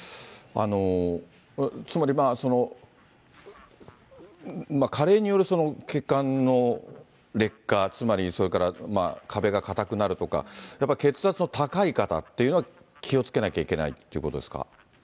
つまり、加齢による血管の劣化、つまりそれから壁が硬くなるとか、やっぱり血圧の高い方ってのは、気をつけなきゃいけないということですか。